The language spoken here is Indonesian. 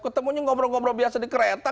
ketemunya ngobrol ngobrol biasa di kereta